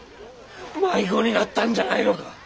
迷子になったんじゃないのか。